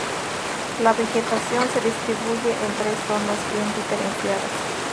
La vegetación se distribuye en tres zonas bien diferenciadas.